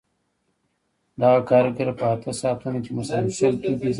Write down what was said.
دغه کارګر په اته ساعتونو کې مثلاً شل توکي جوړ کړي